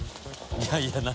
いやいや何？